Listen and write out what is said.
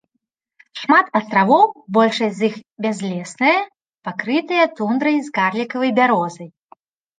Шмат астравоў, большасць з іх бязлесныя, пакрытыя тундрай з карлікавай бярозай.